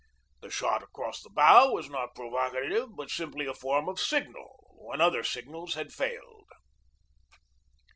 The shot across the bow was not pro vocative, but simply a form of signal when other signals had failed.